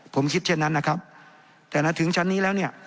ผมคิดเช่นนั้นนะครับแต่มาถึงชั้นนี้แล้วเนี่ย